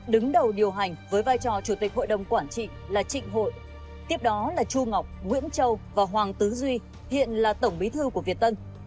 đứng đầu điều hành với vai trò chủ tịch hội đồng quản trị là trịnh hội tiếp đó là chu ngọc nguyễn châu và hoàng tứ duy hiện là tổng bí thư của việt tân